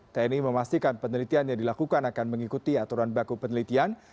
tni memastikan penelitian yang dilakukan akan mengikuti aturan baku penelitian